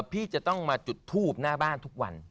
พี่จะต้องมาจุดทูบหน้าบ้านทุกวัน